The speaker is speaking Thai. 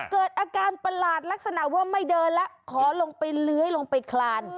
เกิดอาการประหลาดลักษณะว่าไม่เดินแล้วขอลงไปเลื้อยลงไปคลาน